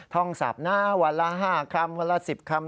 ท่องสับนะวันละ๕คำวันละ๑๐คำ